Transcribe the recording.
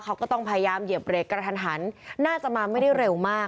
เขาก็ต้องพยายามเหยียบเบรกกระทันหันน่าจะมาไม่ได้เร็วมาก